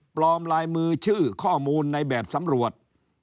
ลายมือชื่อข้อมูลในแบบสำรวจ